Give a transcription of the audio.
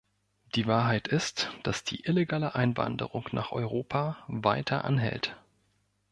Die Wahrheit ist, dass die illegale Einwanderung nach Europa weiter anhält.